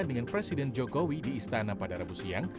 dengan presiden jokowi di istana padarabu siang